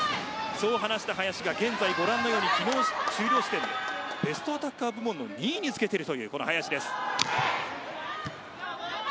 そう話した林がご覧のように昨日終了時点でベストアタッカー部門の２位につけています。